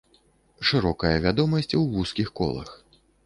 Шырокая вядомасць у вузкіх колах.